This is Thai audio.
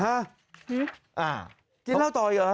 กินเหล้าต่ออีกเหรอ